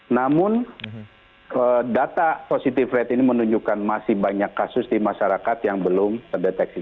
namun data positive rate ini menunjukkan masih banyak kasus di masyarakat yang belum terdeteksi